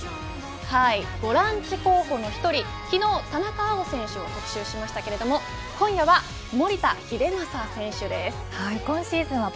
ボランチ候補の１人昨日、田中碧選手を特集しましたけれども今夜は守田英正選手です。